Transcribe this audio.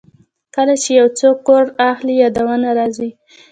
کله چې یو څوک کور اخلي، یادونه راځي.